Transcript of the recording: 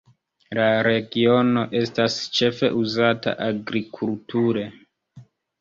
La regiono estas ĉefe uzata agrikulture.